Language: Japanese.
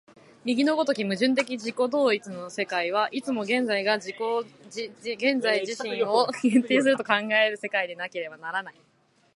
右の如き矛盾的自己同一の世界は、いつも現在が現在自身を限定すると考えられる世界でなければならない。